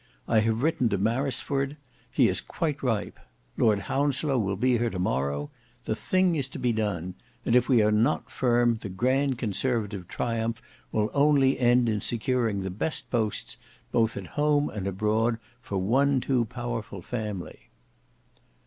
I have written to Marisforde; he is quite ripe. Lord Hounslow will be here to morrow. The thing is to be done; and if we are not firm the grand conservative triumph will only end in securing the best posts both at home and abroad for one too powerful family."